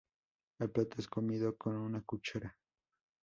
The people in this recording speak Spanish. El plato es comido con una cuchara.